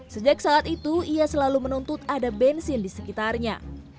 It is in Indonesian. sejak saat itu ia selalu menuntut ada bensin di sekitarnya